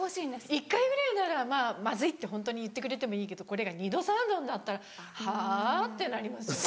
１回ぐらいなら「まずい」ってホントに言ってくれてもいいけどこれが２度３度になったらはぁ？ってなりますよね。